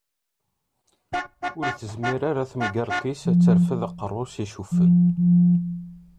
Ur tezmir ara temgerṭ-is ad terfeḍ aqerru-s icuffen.